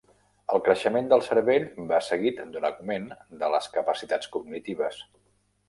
El creixement del cervell va seguit d'un augment de les capacitats cognitives.